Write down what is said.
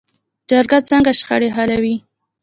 جرګه څنګه شخړې حلوي؟